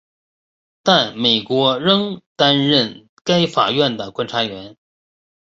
但美国仍担任该法院的观察员。